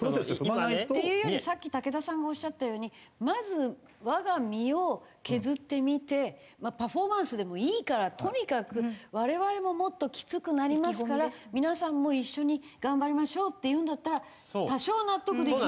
っていうよりさっき竹田さんがおっしゃったようにまず我が身を削ってみてパフォーマンスでもいいからとにかく我々ももっときつくなりますから皆さんも一緒に頑張りましょうっていうんだったら多少は納得できる。